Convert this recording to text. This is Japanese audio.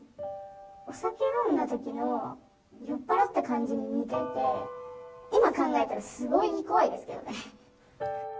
お酒飲んだときの酔っ払った感じに似ていて、今考えたら、すごい怖いですけどね。